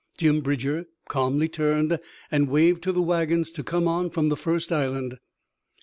Jim Bridger calmly turned and waved to the wagons to come on from the first island.